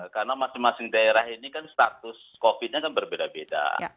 karena masing masing daerah ini kan status covid sembilan belas nya kan berbeda beda